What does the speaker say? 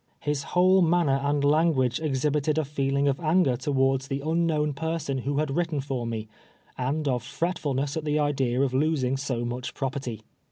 His whole manner and language exhibited a feeling of anger towards the unkuttwn j)erson who had written for me, and of fret fulness at the idea of losing so much property.